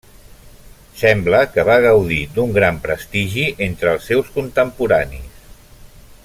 Sembla que va gaudir d'un gran prestigi entre els seus contemporanis.